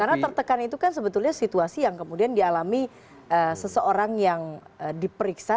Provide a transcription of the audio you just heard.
karena tertekan itu kan sebetulnya situasi yang kemudian dialami seseorang yang diperiksa